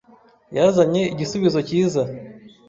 yazanye igisubizo cyiza.